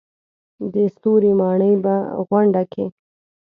د ستوري ماڼۍ په غونډه کې.